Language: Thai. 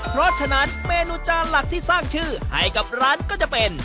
เพราะฉะนั้นเมนูจานหลักที่สร้างชื่อให้กับร้านก็จะเป็น